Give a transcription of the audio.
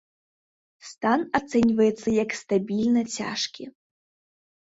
Стан ацэньваецца як стабільна цяжкі.